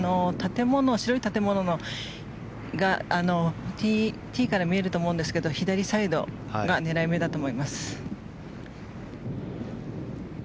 白い建物がティーから見えると思うんですが左サイドが狙い目だと思います。